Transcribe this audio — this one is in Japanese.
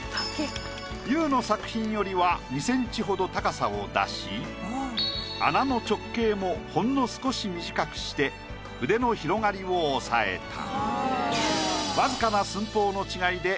ＹＯＵの作品よりは２センチほど高さを出し穴の直径もほんの少し短くして筆の広がりを抑えた。